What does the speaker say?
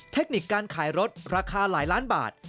เทคนิคการขายรถราคาหลายล้านบาท